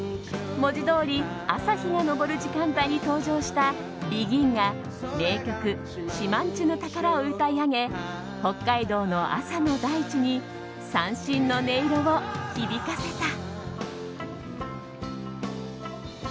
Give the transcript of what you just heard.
文字どおり、朝日が昇る時間帯に登場したＢＥＧＩＮが名曲「島人ぬ宝」を歌い上げ北海道の朝の大地に三線の音色を響かせた。